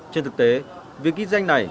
trên thực tế việc ghi danh này